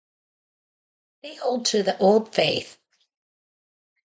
They hold to the Old Faith.